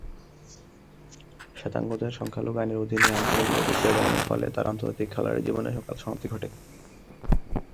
শ্বেতাঙ্গদের সংখ্যালঘু আইনের অধীনে থাকাকালীন রোডেশিয়া গমনের ফলে তার আন্তর্জাতিক খেলোয়াড়ী জীবনে অকাল সমাপ্তি ঘটে।